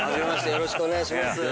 よろしくお願いします。